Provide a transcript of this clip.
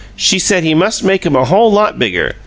She said he must make 'em a whole lot bigger.